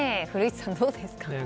古市さん、どうですか。